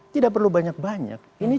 tidak perlu banyak banyak ini